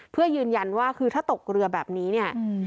เพื่อยืนยันว่าคือถ้าตกเรือแบบนี้เนี่ย